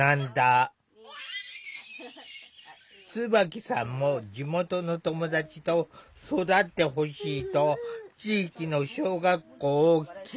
椿さんも地元の友達と育ってほしいと地域の小学校を希望した。